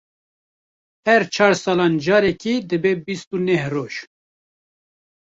Her çar salan carekê dibe bîst û neh roj.